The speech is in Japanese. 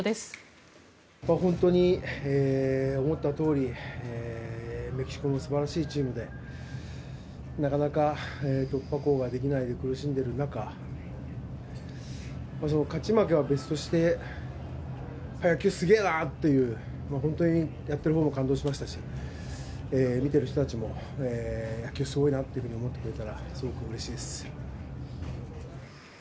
本当に思ったとおりメキシコも素晴らしいチームでなかなか突破口ができないで苦しんでいる中勝ち負けは別として野球、すげえなという本当にやってるほうも感動しましたし見てる人たちも野球、すごいなというふうに思ってくれたらすごくうれしいです。